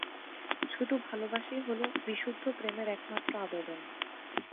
শুধু ভালবাসাই হল বিশুদ্ধ প্রেমের একমাত্র আবেদন।